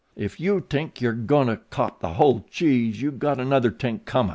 If you tink you're goin' to cop the whole cheese you got another tink comin'."